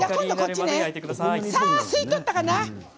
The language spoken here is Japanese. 吸い取ったかな？